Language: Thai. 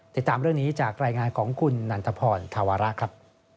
ติดตามเรื่องนี้จากรายงานของคุณนันทพรธาวระครับ